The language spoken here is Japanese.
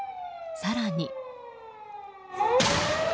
更に。